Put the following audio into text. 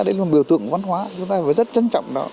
đấy là một biểu tượng của văn hóa chúng ta phải rất trân trọng đó